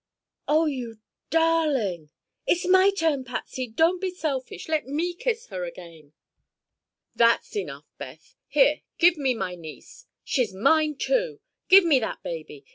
"Oh, you darling!" "It's my turn, Patsy! Don't be selfish. Let me kiss her again." "That's enough, Beth. Here—give me my niece!" "She's mine, too." "Give me that baby!